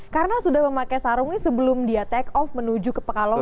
karena sudah memakai sarungnya sebelum dia take off menuju ke pekalongan